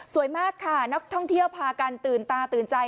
มากค่ะนักท่องเที่ยวพากันตื่นตาตื่นใจ